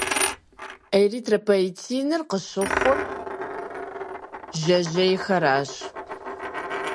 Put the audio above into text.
Эритропоетиныр къыщыхъур жьэжьейхэращ.